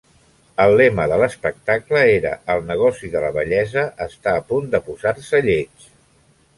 El lema de l'espectacle era "El negoci de la bellesa està a punt de posar-se lleig".